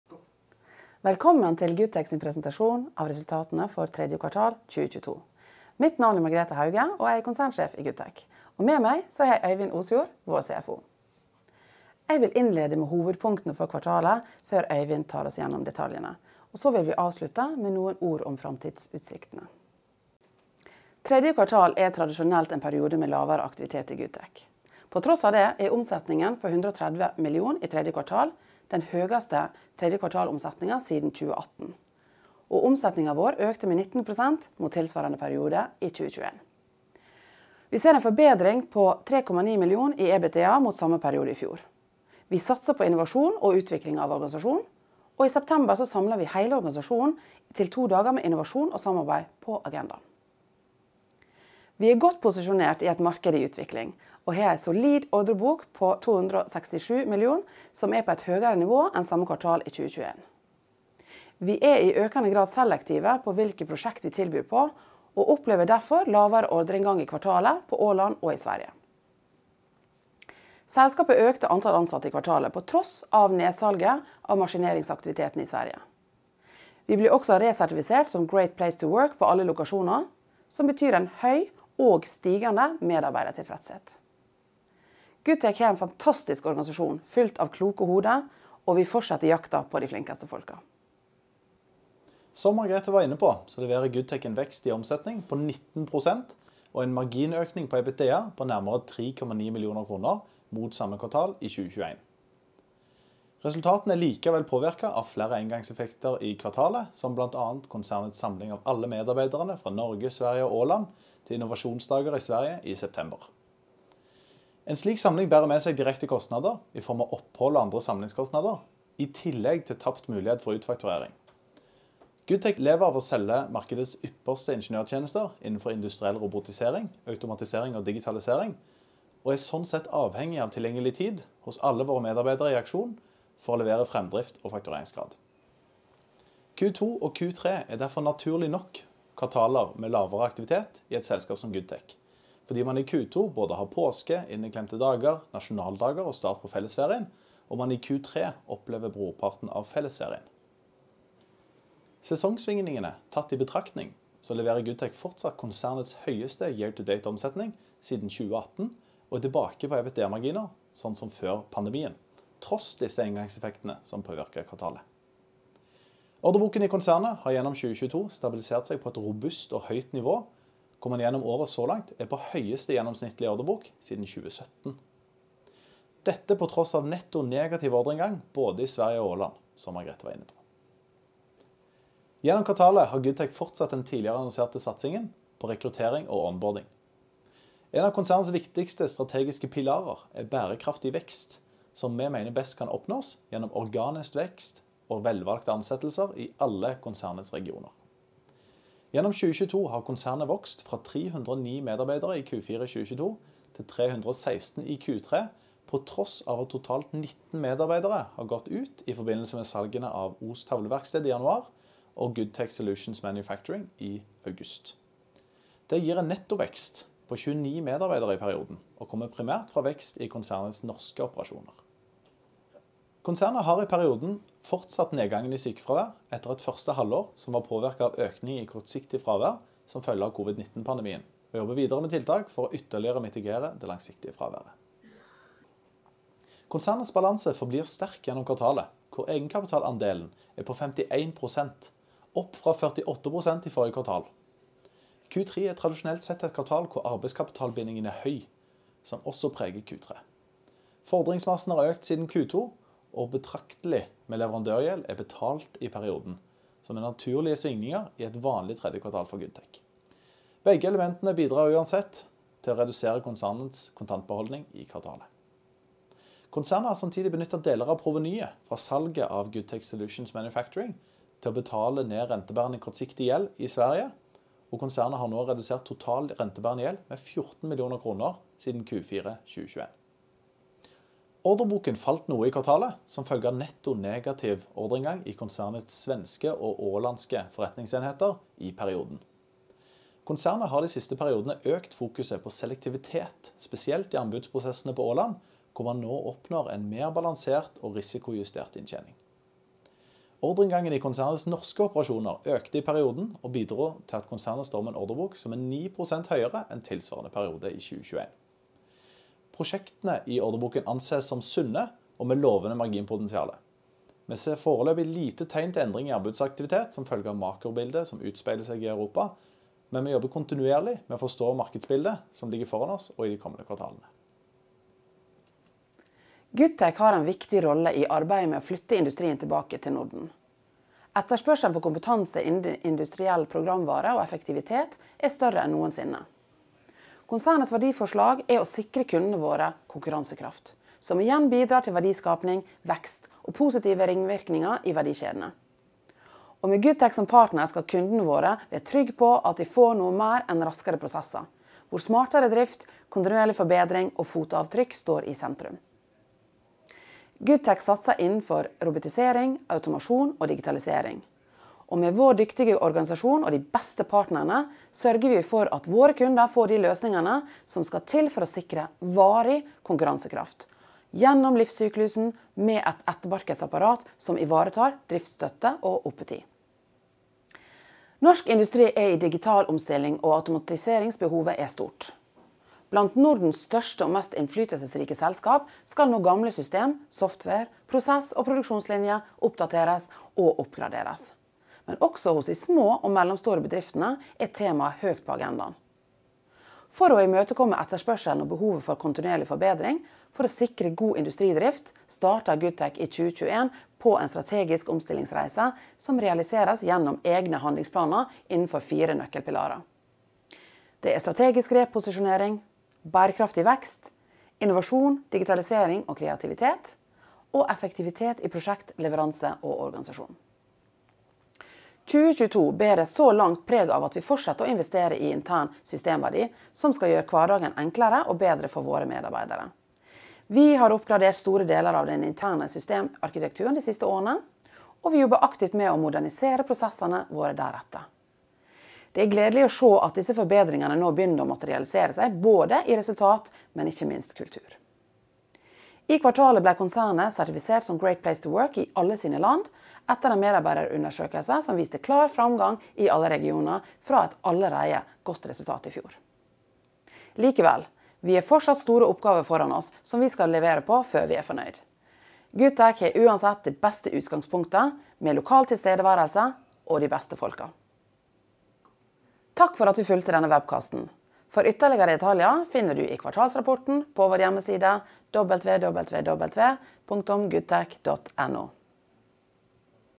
Velkommen til Goodtech sin presentasjon av resultatene for tredje kvartal 2022. Mitt navn er Margrethe Hauge og er konsernsjef i Goodtech. Med meg så har jeg Øyvind Osjord, vår CFO. Jeg vil innlede med hovedpunktene for kvartalet før Øyvind tar oss gjennom detaljene. Så vil vi avslutte med noen ord om framtidsutsiktene. Tredje kvartal er tradisjonelt en periode med lavere aktivitet i Goodtech. På tross av det er omsetningen på 130 million i tredje kvartal den høyeste tredje kvartal omsetningen siden 2018. Omsetningen vår økte med 19% mot tilsvarende periode i 2021. Vi ser en forbedring på 3.9 million i EBITDA mot samme periode i fjor. Vi satser på innovasjon og utvikling av organisasjonen, og i september så samler vi hele organisasjonen til 2 dager med innovasjon og samarbeid på agendaen. Vi er godt posisjonert i et marked i utvikling og har en solid ordrebok på 267 million som er på et høyere nivå enn samme kvartal i 2021. Vi er i økende grad selektive på hvilke prosjekter vi tilbyr på, og opplever derfor lavere ordreinngang i kvartalet på Åland og i Sverige. Selskapet økte antall ansatte i kvartalet på tross av nedsalget av maskineringsaktiviteten i Sverige. Vi blir også resertifisert som Great Place to Work på alle lokasjoner, som betyr en høy og stigende medarbeidertilfredshet. Goodtech har en fantastisk organisasjon fylt av kloke hoder, og vi fortsetter jakten på de flinkeste folka. Som Margrethe var inne på så leverer Goodtech en vekst i omsetning på 19% og en marginøkning på EBITDA på nærmere 3.9 millioner kroner mot samme kvartal i 2021. Resultatene er likevel påvirket av flere engangseffekter i kvartalet, som blant annet konsernets samling av alle medarbeiderne fra Norge, Sverige og Åland til innovasjonsdager i Sverige i september. En slik samling bærer med seg direkte kostnader i form av opphold og andre samlingskostnader, i tillegg til tapt mulighet for utfakturering. Goodtech lever av å selge markedets ypperste ingeniørtjenester innenfor industriell robotisering, automatisering og digitalisering, og er sånn sett avhengig av tilgjengelig tid hos alle våre medarbeidere i aksjon for å levere fremdrift og faktureringsgrad. Q2 og Q3 er derfor naturlig nok kvartaler med lavere aktivitet i et selskap som Goodtech, fordi man i Q2 både har påske, inneklemte dager, nasjonaldager og start på fellesferien og man i Q3 opplever brorparten av fellesferien. Sesongsvingningene tatt i betraktning, så leverer Goodtech fortsatt konsernets høyeste year to date omsetning siden 2018, og er tilbake på EBITDA marginer sånn som før pandemien, tross disse engangseffektene som påvirker kvartalet. Ordreboken i konsernet har gjennom 2022 stabilisert seg på et robust og høyt nivå, hvor man gjennom året så langt er på høyeste gjennomsnittlige ordrebok siden 2017. Dette på tross av netto negativ ordreinngang både i Sverige og Åland, som Margrethe var inne på. Gjennom kvartalet har Goodtech fortsatt den tidligere annonserte satsingen på rekruttering og onboarding. En av konsernets viktigste strategiske pilarer er bærekraftig vekst, som vi mener best kan oppnås gjennom organisk vekst og velvalgte ansettelser i alle konsernets regioner. Gjennom 2022 har konsernet vokst fra 309 medarbeidere i Q4 2022 til 316 i Q3, på tross av at totalt 19 medarbeidere har gått ut i forbindelse med salgene av Os Tavleverksted i januar og Goodtech Solutions Manufacturing i august. Det gir en netto vekst på 29 medarbeidere i perioden og kommer primært fra vekst i konsernets norske operasjoner. Konsernet har i perioden fortsatt nedgangen i sykefravær etter et første halvår som var påvirket av økning i kortsiktig fravær som følge av COVID-19 pandemien, og jobber videre med tiltak for å ytterligere mitigere det langsiktige fraværet. Konsernets balanse forblir sterk gjennom kvartalet, hvor egenkapitalandelen er på 51%, opp fra 48% i forrige kvartal. Q3 er tradisjonelt sett et kvartal hvor arbeidskapitalbindingen er høy, som også preger Q3. Fordringsmassen har økt siden Q2, og betydelig leverandørgjeld er betalt i perioden, som er naturlige svingninger i et vanlig tredje kvartal for Goodtech. Begge elementene bidrar uansett til å redusere konsernets kontantbeholdning i kvartalet. Konsernet har samtidig benyttet deler av provenyet fra salget av Goodtech Solutions Manufacturing til å betale ned rentebærende kortsiktig gjeld i Sverige, og konsernet har nå redusert total rentebærende gjeld med 14 million kroner siden Q4 2021. Ordreboken falt noe i kvartalet som følge av netto negativ ordreinngang i konsernets svenske og ålandske forretningsenheter i perioden. Konsernet har de siste periodene økt fokuset på selektivitet, spesielt i anbudsprosessene på Åland, hvor man nå oppnår en mer balansert og risikojustert inntjening. Ordreinngangen i konsernets norske operasjoner økte i perioden og bidro til at konsernet står med en ordrebok som er 9% høyere enn tilsvarende periode i 2021. Prosjektene i ordreboken anses som sunne og med lovende marginpotensiale. Vi ser foreløpig lite tegn til endring i anbudsaktivitet som følge av makrobildet som utspiller seg i Europa. Vi jobber kontinuerlig med å forstå markedsbildet som ligger foran oss og i de kommende kvartalene. Goodtech har en viktig rolle i arbeidet med å flytte industrien tilbake til Norden. Etterspørselen for kompetanse innen industriell programvare og effektivitet er større enn noensinne. Konsernets verdiforslag er å sikre kundene våre konkurransekraft, som igjen bidrar til verdiskapning, vekst og positive ringvirkninger i verdikjedene. Med Goodtech som partner skal kundene våre være trygge på at de får noe mer enn raskere prosesser hvor smartere drift, kontinuerlig forbedring og fotavtrykk står i sentrum. Goodtech satser innenfor robotisering, automasjon og digitalisering. Med vår dyktige organisasjon og de beste partnerne sørger vi for at våre kunder får de løsningene som skal til for å sikre varig konkurransekraft gjennom livssyklusen med et ettermarkedsapparat som ivaretar driftsstøtte og oppetid. Norsk industri er i digital omstilling og automatiseringsbehovet er stort. Blant Nordens største og mest innflytelsesrike selskaper skal nå gamle systemer, software, prosesser og produksjonslinjer oppdateres og oppgraderes. Også hos de små og mellomstore bedriftene er temaet høyt på agendaen. For å imøtekomme etterspørselen og behovet for kontinuerlig forbedring. For å sikre god industridrift startet Goodtech i 2021 på en strategisk omstillingsreise som realiseres gjennom egne handlingsplaner innenfor fire nøkkelpilarer. Det er strategisk reposisjonering, bærekraftig vekst, innovasjon, digitalisering og kreativitet og effektivitet i prosjektleveranse og organisasjon. 2022 bærer så langt preg av at vi fortsetter å investere i intern systemverdi som skal gjøre hverdagen enklere og bedre for våre medarbeidere. Vi har oppgradert store deler av den interne systemarkitekturen de siste årene, og vi jobber aktivt med å modernisere prosessene våre deretter. Det er gledelig å se at disse forbedringene nå begynner å materialisere seg både i resultat, men ikke minst kultur. I kvartalet ble konsernet sertifisert som Great Place to Work i alle sine land etter en medarbeiderundersøkelse som viste klar framgang i alle regioner fra et allerede godt resultat i fjor. Likevel, vi har fortsatt store oppgaver foran oss som vi skal levere på før vi er fornøyd. Goodtech har uansett det beste utgangspunktet med lokal tilstedeværelse og de beste folkene. Takk for at du fulgte denne webcasten. For ytterligere detaljer finner du i kvartalsrapporten på vår hjemmeside www.goodtech.no.